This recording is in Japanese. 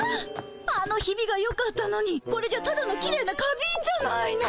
あのひびがよかったのにこれじゃあただのきれいな花びんじゃないの。